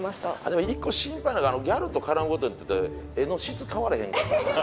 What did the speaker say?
でも一個心配なのがギャルと絡むことによって絵の質変わらへんかな。